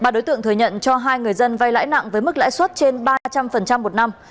ba đối tượng thừa nhận cho hai người dân vay lãi nặng với mức lãi suất trên ba trăm linh một năm